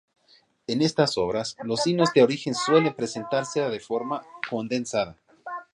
En estas obras, los himnos de origen suelen presentarse a de forma condensada.